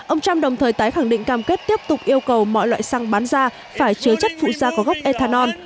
ông trump đồng thời tái khẳng định cam kết tiếp tục yêu cầu mọi loại xăng bán ra phải chứa chất phụ da có gốc ethanol